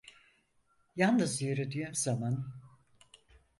Yalnız yürüdüğüm zaman.